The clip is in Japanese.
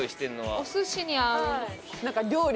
お寿司に合う。